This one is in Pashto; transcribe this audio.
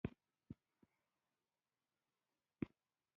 پیغلي نجوني باج کي غواړي